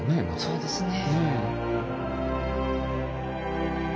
そうですね。